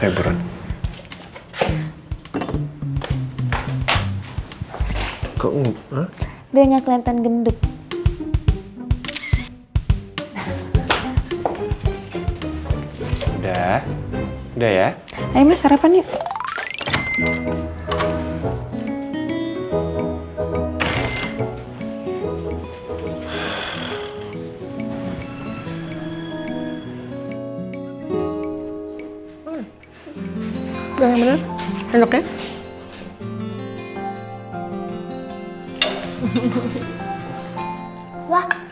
hai teman teman hai keunggul dengan kelihatan gendut udah udah ya ayo sarapan yuk